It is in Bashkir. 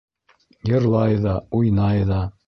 Йырлай ҙа, уйнай ҙа...